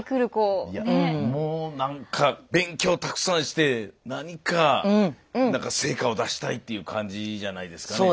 もう何か勉強たくさんして何か成果を出したいっていう感じじゃないですかね。